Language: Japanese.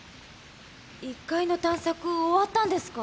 １階の探索終わったんですか？